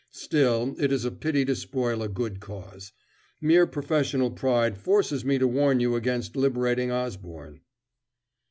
Still, it is a pity to spoil a good cause. Mere professional pride forces me to warn you against liberating Osborne."